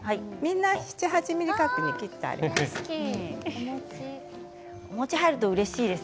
７、８ｍｍ角に切ってあります。